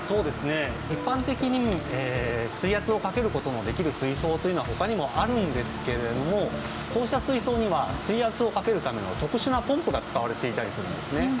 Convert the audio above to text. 一般的に水圧をかけることのできる水槽というのはほかにもあるんですけれどもそうした水槽には水圧をかけるための特殊なポンプが使われていたりするんですね。